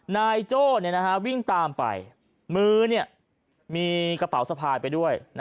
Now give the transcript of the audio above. นายโจ้วิ่งตามไปมือมีกระเป๋าสะพายไปด้วย